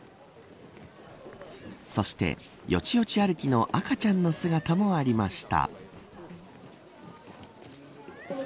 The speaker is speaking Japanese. そして、よちよち歩きの赤ちゃんの姿もありました。